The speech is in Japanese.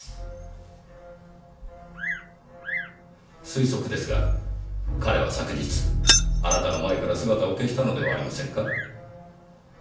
推測ですが彼は昨日あなたの前から姿を消したのではありませんか？